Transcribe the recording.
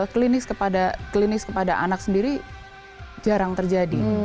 klinis kepada anak sendiri jarang terjadi